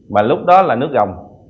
mà lúc đó là nước gồng